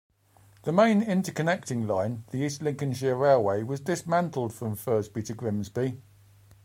The main interconnecting line, the East Lincolnshire Railway, was dismantled from Firsby to Grimsby.